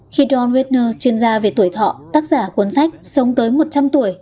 khi john wagner chuyên gia về tuổi thọ tác giả cuốn sách sống tới một trăm linh tuổi